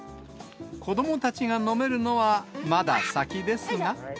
子どもたちが飲めるのはまだ先ですが。